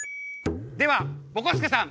ではぼこすけさん！